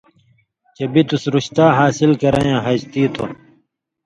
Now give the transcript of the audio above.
چے بِتُس رُشتا حاصل کریں یاں ہجتی تھو۔